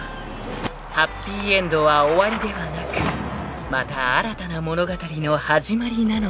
［ハッピーエンドは終わりではなくまた新たな物語の始まりなのです］